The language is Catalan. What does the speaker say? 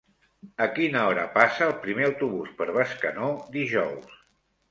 A quina hora passa el primer autobús per Bescanó dijous?